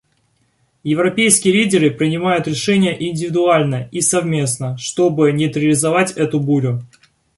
Европейские лидеры принимают решения, индивидуально и совместно, чтобы нейтрализовать эту бурю.